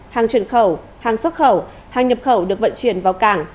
hàng chuyển khẩu hàng xuất khẩu hàng nhập khẩu được vận chuyển vào cảng